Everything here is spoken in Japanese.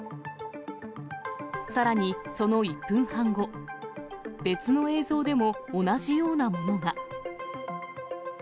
さらにその１分半後、別の映像でも同じようなものが。